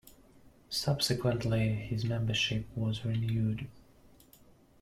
Subsequently, his membership was renewed.